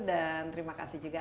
dan terima kasih juga